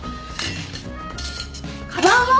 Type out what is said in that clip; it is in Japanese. かばんは？